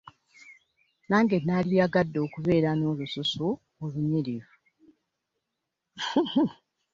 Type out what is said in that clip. Nange nandiyagadde okubera nolususu olunyrivu.